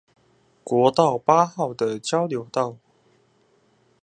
國道八號的交流道